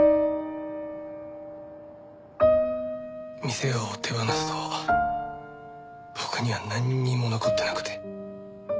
店を手放すと僕にはなんにも残ってなくて。